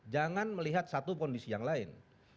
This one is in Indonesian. jangan melihat satu kondisi yang lain